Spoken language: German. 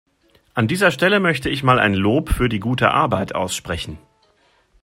An dieser Stelle möchte ich mal ein Lob für die gute Arbeit aussprechen.